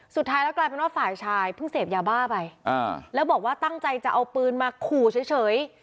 สุดท้ายแล้วกลายเป็นว่าฝ่ายชายเพิ่งเสพยาบ้าไปแล้วบอกว่าตั้งใจจะเอาปืนมาขู่เฉย